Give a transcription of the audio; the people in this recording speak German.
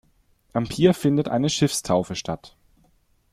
Am Pier findet eine Schiffstaufe statt.